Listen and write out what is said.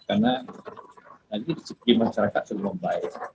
karena lagi sisi masyarakat sudah membaik